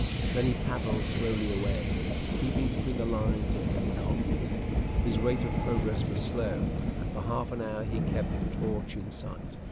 Then he paddled slowly away, keeping between the lines of heavy columns. His rate of progress was slow, and for half an hour he kept the torch in sight.